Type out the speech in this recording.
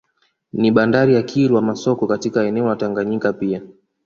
Ni bandari ya Kilwa Masoko katika eneo la Tanganyika pia